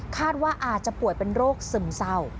คาดว่าอาจจะป่วยเป็นโรคซึมเศร้า